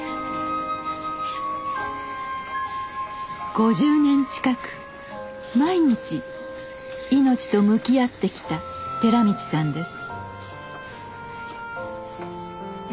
５０年近く毎日命と向き合ってきた寺道さんです。